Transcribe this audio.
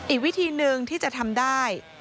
อีกวิธีหนึ่งที่จะทำได้